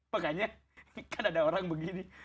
makanya kan ada orang begini